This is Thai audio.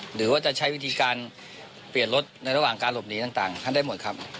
หรือว่าจะใช้วิธีการเปลี่ยนรถในระหว่างการหลบหนีต่างท่านได้หมดครับ